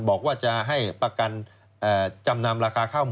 บอกว่าจะให้ประกันจำนำราคาเกี่ยว๑๕๐๐๐